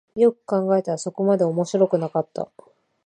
よく考えたらそこまで面白くなかった